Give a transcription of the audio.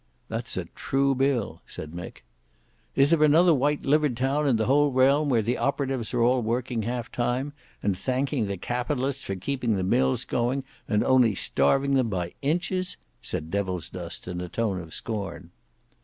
"That's a true bill," said Mick. "Is there another white livered town in the whole realm where the operatives are all working half time, and thanking the Capitalists for keeping the mills going, and only starving them by inches?" said Devilsdust in a tone of scorn.